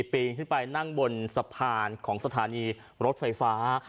ปีนขึ้นไปนั่งบนสะพานของสถานีรถไฟฟ้า